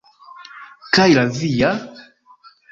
Kaj la via?